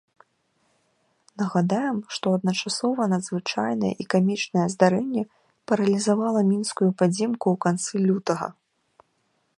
Нагадаем, што адначасова надзвычайнае і камічнае здарэнне паралізавала мінскую падземку у канцы лютага.